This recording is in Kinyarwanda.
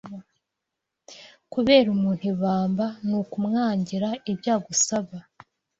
Kubera umuntu ibamba ni Kumwangira ibyo agusaba